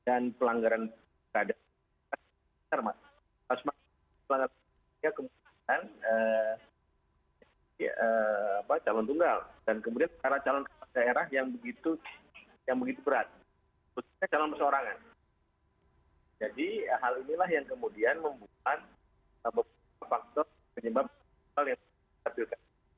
apa yang terjadi pak